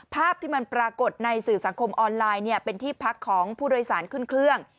ภาพที่มันปรากฏในสื่อสังคมออนไลน์เป็นที่พักของผู้โดยสารขึ้นเครื่อง